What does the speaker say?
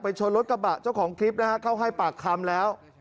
ชนรถกระบะเจ้าของคลิปนะฮะเข้าให้ปากคำแล้ว